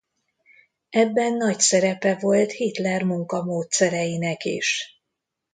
Ebben nagy szerepe volt Hitler munkamódszereinek is.